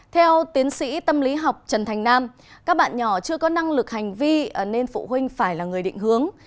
theo tiến sĩ tâm lý học trần thành nam các bạn nhỏ chưa có năng lực hành vi nên phụ huynh phải là người định hướng